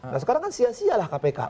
nah sekarang kan sia sialah kpk